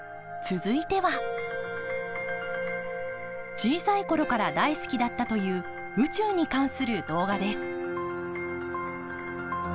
小さい頃から大好きだったという宇宙に関する動画です。